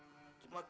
iya aldi janji pak